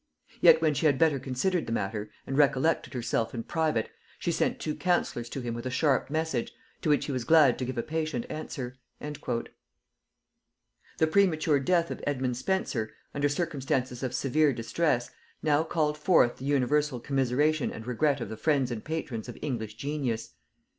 Yet when she had better considered the matter, and recollected herself in private, she sent two councillors to him with a sharp message, to which he was glad to give a patient answer." The premature death of Edmund Spenser, under circumstances of severe distress, now called forth the universal commiseration and regret of the friends and patrons of English genius.